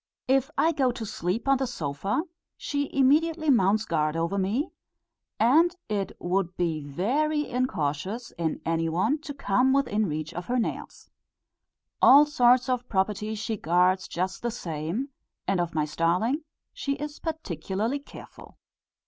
If I go to sleep on the sofa, she immediately mounts guard over me, and it would be very incautious in any one to come within reach of her nails. All sorts of property she guards just the same, and of my starling she is particularly careful.